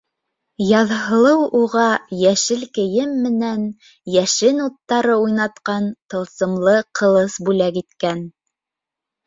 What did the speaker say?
Яҙһылыу уға йәшел кейем менән йәшен уттары уйнатҡан тылсымлы ҡылыс бүләк иткән.